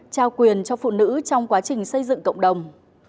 trao quyền cho phụ nữ trong quá trình xây dựng cộng đồng